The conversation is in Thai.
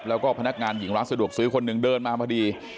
แล้วก็พนักงานหญิงร้านสะดวกซื้อคนหนึ่งเดินมาพอดี